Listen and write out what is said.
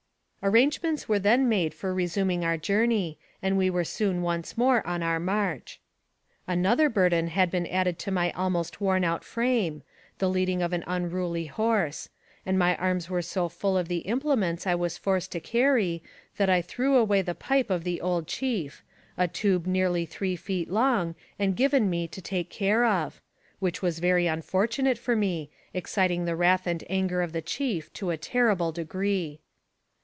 Arrangements were then made for resuming our journey, and we were soon once more on our march. 56 NARRATIVE OF CAPTIVITY Another burden had been added to my almost worn out frame, the leading of an unruly horse; and my arms were so full of the implements I was forced to carry, that I threw away the pipe of the old chief a tube nearly three feet long, and given me to take care of which was very unfortunate for me, exciting the wrath and anger of the chief to a terrible degree.